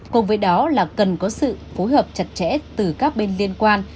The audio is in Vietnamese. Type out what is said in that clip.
cùng với đó là cần có sự phối hợp chặt chẽ từ các bên liên quan